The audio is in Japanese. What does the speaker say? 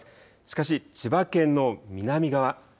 しかし、千葉県の南側